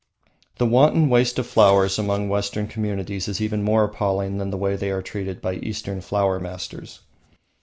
The wanton waste of flowers among Western communities is even more appalling than the way they are treated by Eastern Flower Masters.